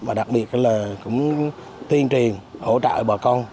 và đặc biệt là cũng tuyên truyền hỗ trợ bà con